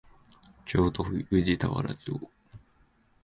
京都府宇治田原町